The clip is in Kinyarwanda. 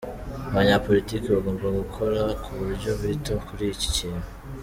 Abanyapolitiki bagomba gukora ku buryo bita kuri iki kintu.